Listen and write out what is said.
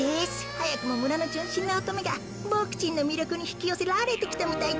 はやくもむらのじゅんしんなおとめがボクちんのみりょくにひきよせられてきたみたいです。